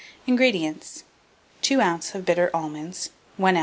INGREDIENTS. 2 oz. of bitter almonds, 1 oz.